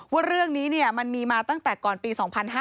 ว่าเรื่องนี้มันมีมาตั้งแต่ก่อนปี๒๕๕๙